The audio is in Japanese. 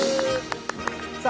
さあ